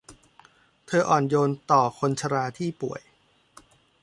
เธออ่อนโยนต่อคนชราที่ป่วย